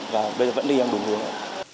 và bây giờ vẫn đi theo đúng hướng